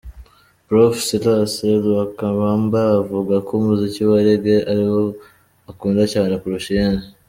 Prof Silas Lwakabamba avuga ko umuziki wa Reggae ariwo akunda cyane kurusha iyindi.